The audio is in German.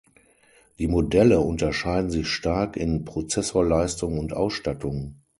Die Modelle unterschieden sich stark in Prozessorleistung und Ausstattung.